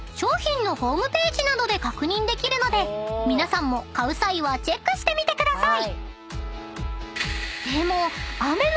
［皆さんも買う際はチェックしてみてください］